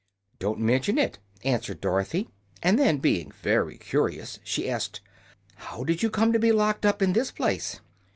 "Don't mention it," answered Dorothy. And then, being very curious, she asked: "How did you come to be locked up in this place?"